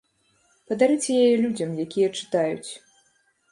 Падарыце яе людзям, якія чытаюць.